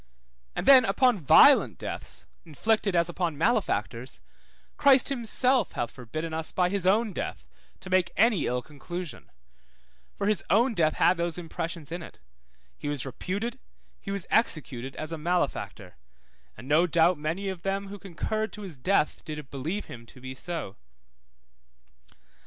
And then upon violent deaths inflicted as upon malefactors, Christ himself hath forbidden us by his own death to make any ill conclusion; for his own death had those impressions in it; he was reputed, he was executed as a malefactor, and no doubt many of them who concurred to his death did believe him to be so.